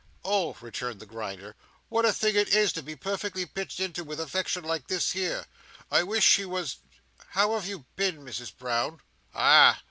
"Oh!" returned the Grinder, "what a thing it is to be perfectly pitched into with affection like this here. I wish she was—How have you been, Misses Brown?" "Ah!